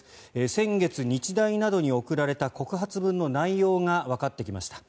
先月日大などに送られた告発文の内容がわかってきました。